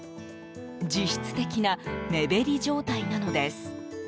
実質的な目減り状態なのです。